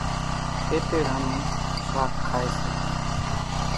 تيتيڙان نون شاک کائيَ سي۔